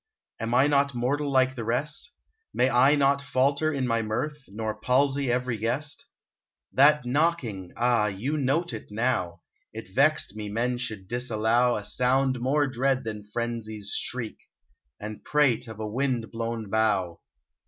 Am I not mortal like the rest ? May I not falter in my mirth, Nor palsy every guest ?... That knocking !— Ah ! you note it now. It vexed me men should disallow 104 UNBIDDEN A sound more dread than frenzy's shriek, — And prate of a wind blown bough